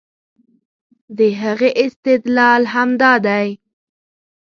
د هغې استدلال همدا دی